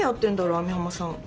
網浜さん。